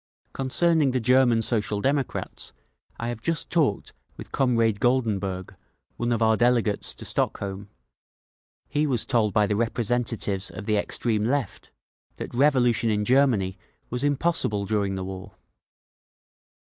Concerning the German Social Democrats, I have just talked with Comrade Goldenberg, one of our delegates to Stockholm; he was told by the representatives of the Extreme Left that revolution in Germany was impossible during the war…."